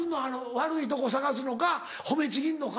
悪いとこ探すのか褒めちぎんのか。